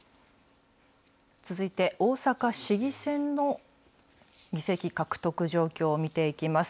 続いて、大阪市議選の議席獲得状況を見ていきます。